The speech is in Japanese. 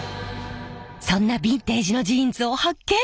そんなビンテージのジーンズを発見！